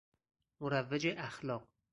مروج اخلاق